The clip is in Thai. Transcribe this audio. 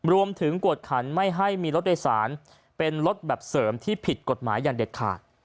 วกขันไม่ให้มีรถโดยสารเป็นรถแบบเสริมที่ผิดกฎหมายอย่างเด็ดขาด